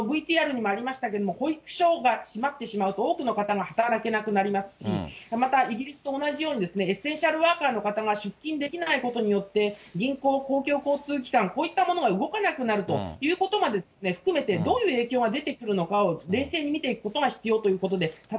ＶＴＲにもありましたけれども、保育所が閉まってしまうと多くの方が働けなくなりますし、また、イギリスと同じように、エッセンシャルワーカーの方が出勤できないことによって、銀行、公共交通機関、こういった所が動かなくなるということまで含めて、どういう影響が出てくるのかを冷静に見ていくことが必要ということです。